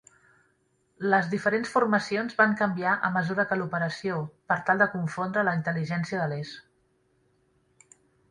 Les diferents formacions van canviar a mesura que l'operació per tal de confondre la intel·ligència de l'Eix.